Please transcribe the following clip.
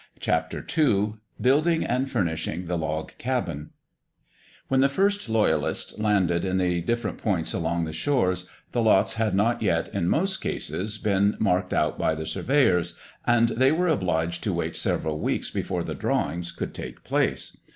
*CHAPTER II* *BUILDING AND FURNISHING THE LOG CABIN* When the first Loyalists landed at the different points along the shores, the lots had not yet, in most cases, been marked out by the surveyors; and they were obliged to wait several weeks before the "drawings" could take place.